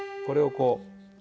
これをこう。